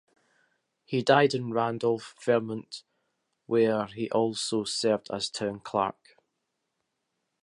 He died in Randolph, Vermont, where he also served as town clerk.